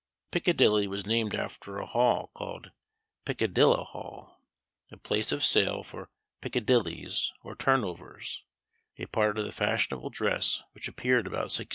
Piccadilly was named after a hall called Piccadilla hall, a place of sale for Piccadillies, or turn overs; a part of the fashionable dress which appeared about 1614.